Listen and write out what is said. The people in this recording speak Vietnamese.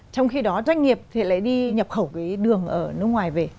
trong khi đó doanh nghiệp thì lại đi nhập khẩu cái đường ở nước ngoài về